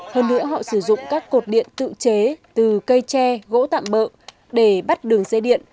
hơn nữa họ sử dụng các cột điện tự chế từ cây tre gỗ tạm bỡ để bắt đường dây điện